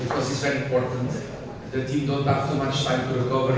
karena ini sangat penting tim mereka tidak memiliki waktu untuk recovery